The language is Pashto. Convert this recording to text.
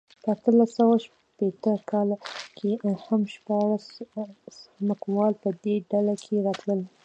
په اتلس سوه شپېته کال کې هم شپاړس ځمکوال په دې ډله کې راتلل.